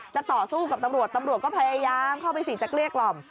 ต่อสู้กับตำรวจตำรวจก็พยายามเข้าไปสิจะเกลี้ยกล่อม